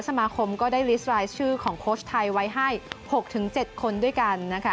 สมาคมก็ได้ลิสต์รายชื่อของโค้ชไทยไว้ให้๖๗คนด้วยกันนะคะ